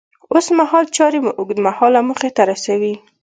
اوسمهال چارې مو اوږد مهاله موخې ته رسوي.